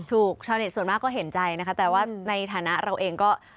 ชาวเน็ตส่วนมากก็เห็นใจนะคะแต่ว่าในฐานะเราเองก็